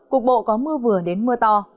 cuộc bộ có mưa vừa đến mưa to